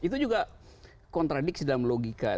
itu juga kontradiksi dalam logika